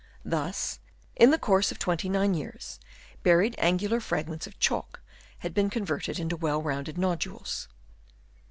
Thus, in the course of 29 years, buried angular fragments of chalk had been converted into well rounded nodules.